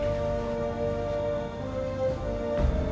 kita akan menangkap harimau